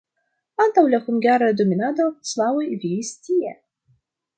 Antaŭ la hungara dominado slavoj vivis tie.